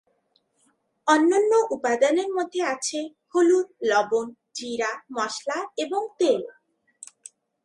অন্যান্য উপাদানের মধ্যে আছে হলুদ, লবণ, জিরা, মসলা এবং তেল।